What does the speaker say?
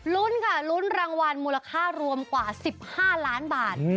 ลุ้นค่ะลุ้นรางวัลมูลค่ารวมกว่า๑๕ล้านบาท